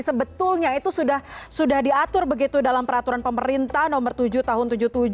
sebetulnya itu sudah diatur begitu dalam peraturan pemerintah nomor tujuh tahun seribu sembilan ratus tujuh puluh tujuh